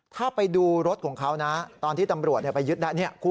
ท่าไปดูรถของเขาตอนที่ตำรวจไปยึด